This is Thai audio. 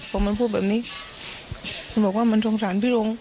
พอมันพูดแบบนี้มันบอกว่ามันสงสารพี่ลง